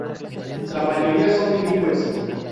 La mayoría son bilingües.